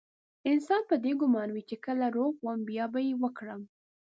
انسان په دې ګمان وي چې کله روغ وم بيا به يې وکړم.